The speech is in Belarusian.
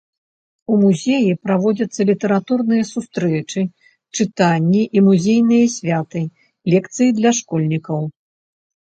У музеі праводзяцца літаратурныя сустрэчы, чытанні і музейныя святы, лекцыі для школьнікаў.